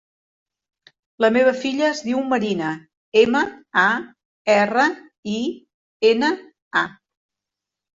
La meva filla es diu Marina: ema, a, erra, i, ena, a.